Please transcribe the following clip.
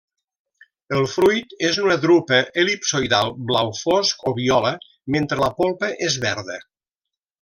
El fruit és una drupa el·lipsoidal blau fosc o viola mentre la polpa és verda.